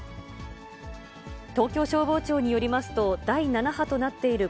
東京消防庁によりますと、第７波となっている